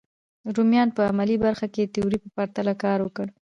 رومیانو په عملي برخه کې د تیوري په پرتله کار وکړ.